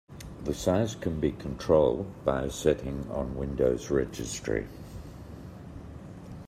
The size can be controlled by a setting on Windows Registry.